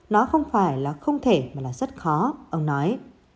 nó không phải là không thể mà là rất khó ông nói